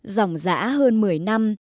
dòng dã hơn một mươi năm